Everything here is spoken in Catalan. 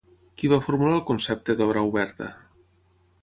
Qui va formular el concepte d'"obra oberta"?